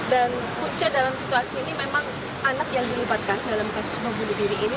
dan punca dalam situasi ini memang anak yang dilibatkan dalam kasus pembunuh diri ini